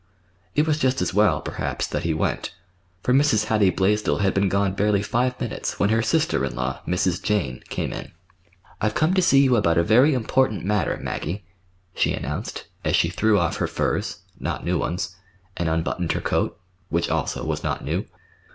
It was just as well, perhaps, that he went, for Mrs. Hattie Blaisdell had been gone barely five minutes when her sister in law, Mrs. Jane, came in. "I've come to see you about a very important matter, Maggie," she announced, as she threw off her furs—not new ones—and unbuttoned her coat—which also was not new.